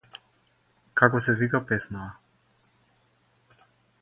Како се вика песнава?